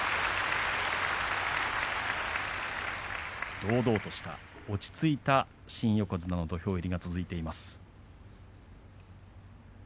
堂々とした落ち着いた新横綱の土俵入りが続いています。